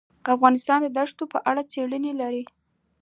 افغانستان د دښتو په اړه څېړنې لري.